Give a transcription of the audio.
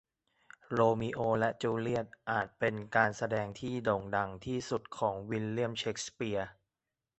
โรมิโอและจูเลียตอาจเป็นการแสดงที่โด่งดังที่สุดของวิลเลียมเชกสเปียร์